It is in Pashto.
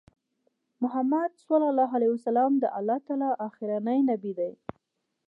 محمد صلی الله عليه وسلم د الله تعالی آخرنی نبی دی